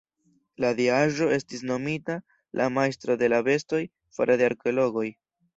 La diaĵo estis nomita la "Majstro de la Bestoj" fare de arkeologoj.